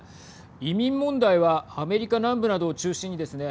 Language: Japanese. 移民問題はアメリカ南部などを中心にですね